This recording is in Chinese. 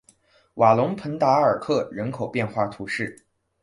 瓦龙蓬达尔克人口变化图示